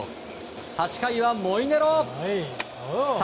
８回はモイネロ。